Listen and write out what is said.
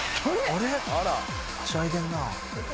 「あらっ」「はしゃいでるな」